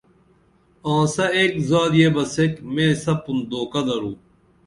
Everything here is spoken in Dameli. آنسہ ایک زادیہ بہ سیک مے سپُن دھوکہ درو